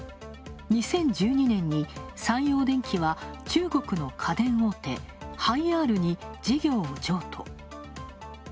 ２０１２年に三洋電機は中国の家電大手・ハイアールに事業を譲渡。